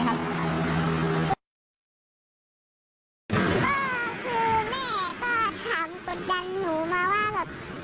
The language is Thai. ก็คือแม่ก็ถามกุจรรย์หนูมาว่า